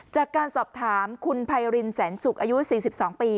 จากการสอบถามคุณไพรินแสนสุกอายุ๔๒ปี